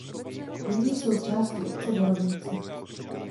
Nyní jsou částí obce Borovnice.